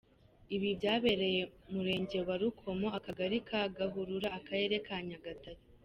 Ibi byabereye murenge wa Rukomo, akagari ka Gahurura, akarere ka Nyagatare.